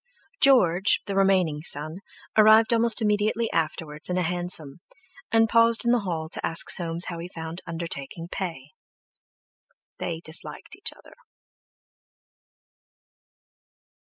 George, the remaining son, arrived almost immediately afterwards in a hansom, and paused in the hall to ask Soames how he found undertaking pay. They disliked each other.